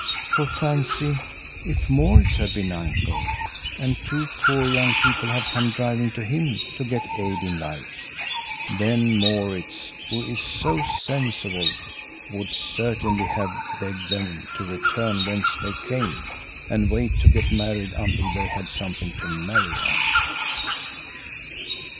For fancy, if Maurits had been Uncle, and two poor young people had come driving to him to get aid in life; then Maurits, who is so sensible, would certainly have begged them to return whence they came, and wait to get married until they had something to marry on.